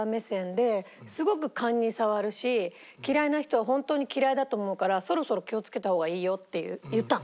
「嫌いな人は本当に嫌いだと思うからそろそろ気をつけた方がいいよ」って言ったの。